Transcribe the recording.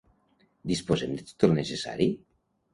Disposem de tot el necessari?